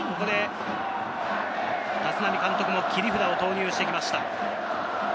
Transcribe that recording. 立浪監督も切り札を投入してきました。